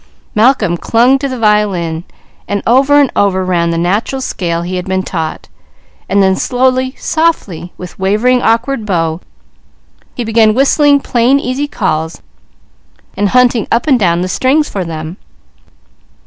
Malcolm clung to the violin, and over and over ran the natural scale he had been taught; then slowly, softly, with wavering awkward bow, he began whistling plain easy calls, and hunting up and down the strings for them.